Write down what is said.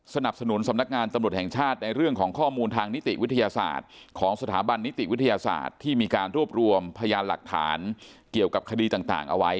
สนับสนุนสำนักงานตำรวจแห่งชาติในเรื่องของข้อมูลทางนิติวิทยาศาสตร์ของสถาบันนิติวิทยาศาสตร์ที่มีการรวบรวมพยานหลักฐานเกี่ยวกับคดีต่างเอาไว้